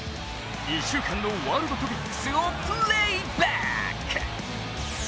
１週間のワールドトピックスをプレーバック。